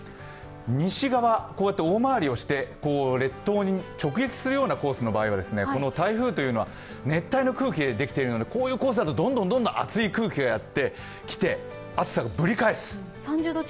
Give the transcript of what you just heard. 西側、こうやって大回りをして列島に直撃するようなコースの場合は台風というのは熱帯の空気でできているので、こういうコースだとどんどん暑い空気がやってきて暑さがぶり返す。